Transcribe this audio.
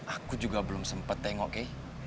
aku juga belum sempet tengok kay